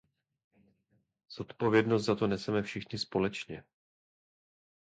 Zodpovědnost za to neseme všichni společně.